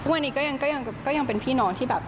วันนี้ก็ยังเป็นพี่น้องที่แบบ